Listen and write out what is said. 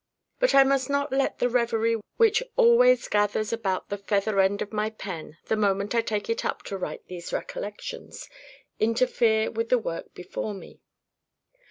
But I must not let the reverie which always gathers about the feather end of my pen the moment I take it up to write these recollections, interfere with the work before me.